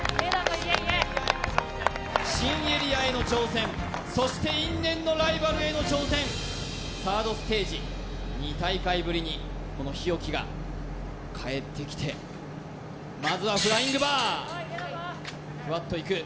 家家新エリアへの挑戦そして因縁のライバルへの挑戦サードステージ２大会ぶりにこの日置が帰ってきて日置いった！